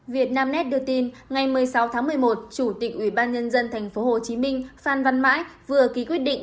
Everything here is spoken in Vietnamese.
việt namnet đưa tin ngày một mươi sáu tháng một mươi một chủ tịch ubnd tp hcm phan văn mãi vừa ký quyết định